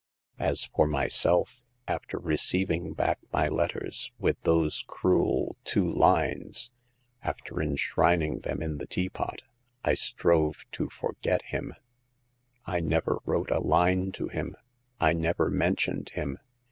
As for myself, after receiving back my letters with 1 66 Hagar of the Pawn Shop. those cruel two lines, after enshrining them in the teapot, I strove to forget him. I never wrote a line to him ; I never mentioned him.